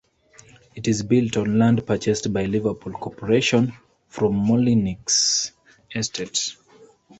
It is built on land purchased by the Liverpool Corporation from the Molyneux Estate.